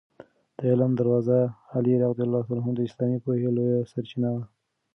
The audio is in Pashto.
د علم دروازه علي رض د اسلامي پوهې لویه سرچینه وه.